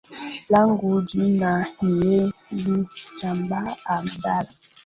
langu jina ni ebi shabaan abdala